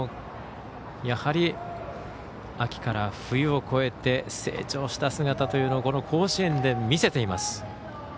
やはり、秋から冬を越えて成長した姿というのをこの甲子園で見せています。